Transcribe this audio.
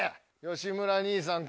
吉村兄さん